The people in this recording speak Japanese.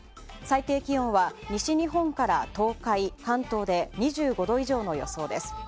最低気温は西日本から東海、関東で２５度以上の予想です。